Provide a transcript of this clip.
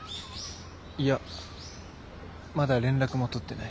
いやまだ連絡も取ってない。